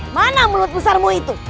mana mulut besarmu itu